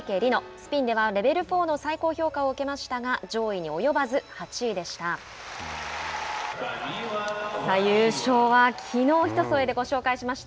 スピンではレベル４の最高評価を受けましたが上位に及ばず８位でした。